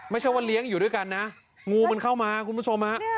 ไม่ใช่ว่าเลี้ยงอยู่ด้วยกันนะงูมันเข้ามาคุณผู้ชมฮะ